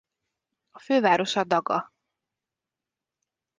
A fővárosa Daga.